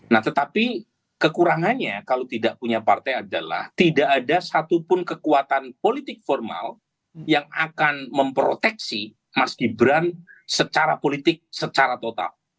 nah tetapi kekurangannya kalau tidak punya partai adalah tidak ada satupun kekuatan politik formal yang akan memproteksi mas gibran secara politik secara total